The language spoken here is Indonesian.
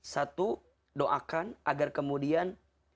satu doakan agar kemudian